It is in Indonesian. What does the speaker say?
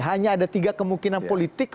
hanya ada tiga kemungkinan politik